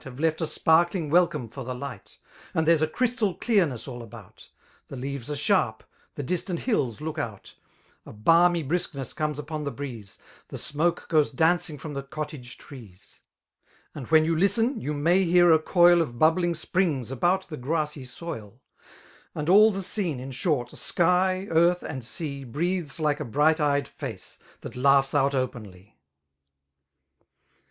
Have left a sparkling welcome for the lights And there's a crystal clearness all about 5 The leaves are sharp^ the distant hills look out ; A balmy briskness comes upon the breeze; The smoke goes dancing from the cottage trees; B 2 } And when you listen, you may hear a coil Of bubbling springs about the grassy soil; And all the scene^ in short — slfy, earthy and sea^ Breathes like a bright eyed face, that laughs out openly.